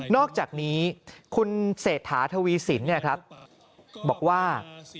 อกจากนี้คุณเศรษฐาทวีสินบอกว่า